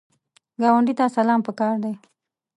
ګاونډي ته سلام پکار دی